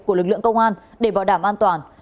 của lực lượng công an để bảo đảm an toàn